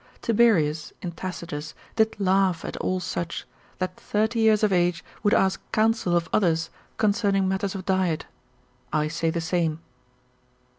Tiberius, in Tacitus, did laugh at all such, that thirty years of age would ask counsel of others concerning matters of diet; I say the same.